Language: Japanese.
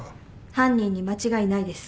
犯人に間違いないです。